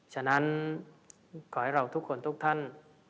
ฉะนั้นขอให้เราทุกคนทุกท่าน